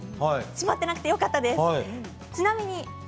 しまっていなくてよかったです。